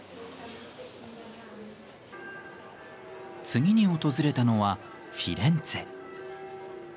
次に訪れたのはフィレンツェ。